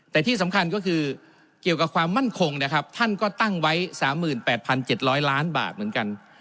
แต่ที่สำคัญก็คือเกี่ยวกับความมั่นคงนะครับท่านก็ตั้งไว้๓๘๗๐๐ล้านบาทเหมือนกัน